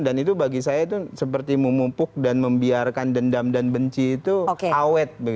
dan itu bagi saya itu seperti memumpuk dan membiarkan dendam dan benci itu awet